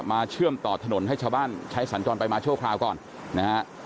มาเชื่อมต่อถนนให้ชาวบ้านใช้สันจรไปมาเช่าคราวก่อน